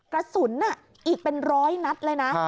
กระสุนอีกเป็นร้อยนัดเลยนะ